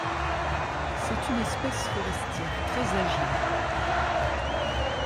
C'est une espèce forestière très agile.